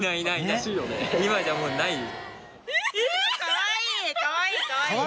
かわいい？